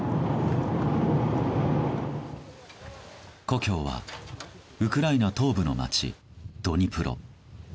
故郷はウクライナ東部の街ドニプロ。